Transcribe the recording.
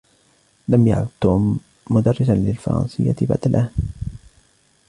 لم يعد توم مدرسا للفرنسية بعد الآن.